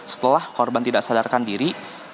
setelah korban tidak sadarkan diri